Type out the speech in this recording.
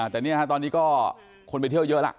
แต่นี่ฮะตอนนี้ก็คนไปเที่ยวเยอะแล้ว